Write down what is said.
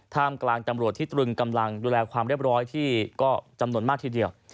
ท่ามกลางตำรวจที่ตรึงกำลังดูแลความเรียบร้อยที่ก็จำนวนมากทีเดียว